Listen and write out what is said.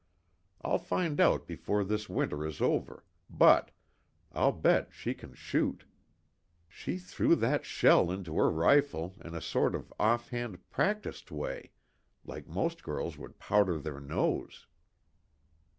I'll find out before this winter is over but, I'll bet she can shoot! She threw that shell into her rifle in a sort of off hand practiced way, like most girls would powder their nose."